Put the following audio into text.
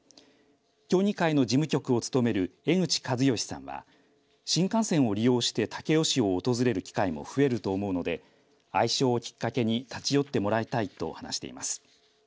協議会の事務局を務める江口和義さんは新幹線を利用して武雄市を訪れる機会も増えると思うので愛称をきっかけに立ち寄ってもらいたいと話しています。